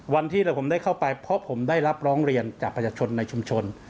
วันที่ผมได้เข้าไปเพราะผมได้รับร้องเรียนจากประชาชนในชุมชน